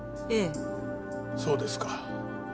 そうですか。